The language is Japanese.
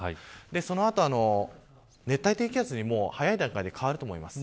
その後、熱帯低気圧に早い段階に変わると思います。